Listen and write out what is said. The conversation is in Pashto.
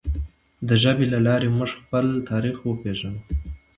د ژبې له لارې موږ خپل تاریخ وپیژنو.